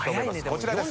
こちらです。